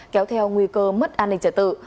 kéo theo nguy cơ mất an ninh trả tự